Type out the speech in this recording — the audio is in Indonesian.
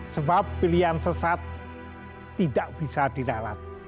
sebab pilihan sesat tidak bisa diralat